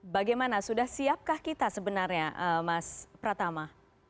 bagaimana sudah siapkah kita sebenarnya mas pratama